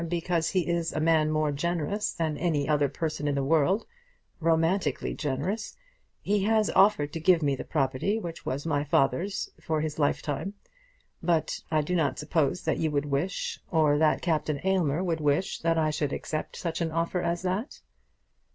Because he is a man more generous than any other person in the world, romantically generous, he has offered to give me the property which was my father's for his lifetime; but I do not suppose that you would wish, or that Captain Aylmer would wish, that I should accept such an offer as that."